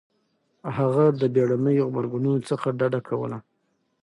هغه د بېړنيو غبرګونونو څخه ډډه کوله.